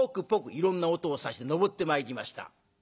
いろんな音をさして登ってまいりました。